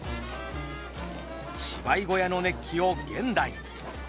芝居小屋の熱気を現代に。